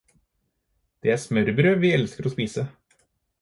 Det er smørbrød vi elsker å spise.